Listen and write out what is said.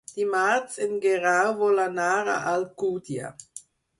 Dimarts en Guerau vol anar a Alcúdia.